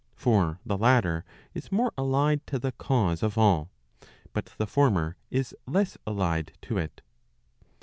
For the latter is more allied to the cause of all; but the former is less allied to it.